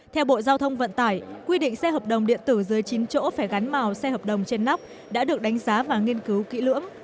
theo bộ giao thông vận tải quy định xe hợp đồng điện tử dưới chín chỗ phải gắn màu xe hợp đồng trên nóc đã được đánh giá và nghiên cứu kỹ lưỡng